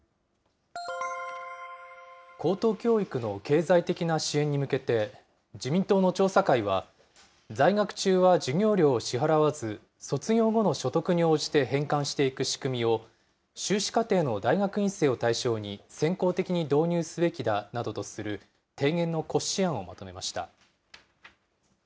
高等教育の経済的な支援に向けて、自民党の調査会は、在学中は授業料を支払わず、卒業後の所得に応じて返還していく仕組みを、修士課程の大学院生を対象に先行的に導入すべきだなどとする提言の骨子案をまとめました。